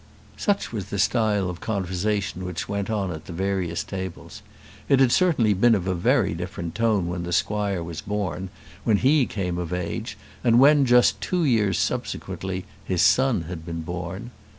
Such was the style of conversation which went on at the various tables. It had certainly been of a very different tone when the squire was born, when he came of age, and when, just two years subsequently, his son had been born.